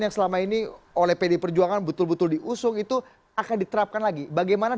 yang selama ini oleh pd perjuangan betul betul diusung itu akan diterapkan lagi bagaimana